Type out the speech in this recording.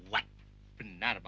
bisa jadi pemanah ya pak